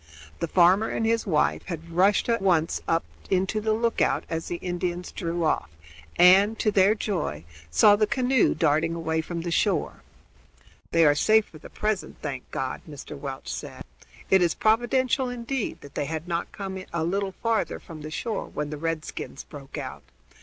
The farmer and his wife had rushed at once up into the lookout as the Indians drew off and, to their joy, saw the canoe darting away from shore. "They are safe for the present, thank God!" Mr. Welch said. "It is providential indeed that they had not come a little further from the shore when the redskins broke out.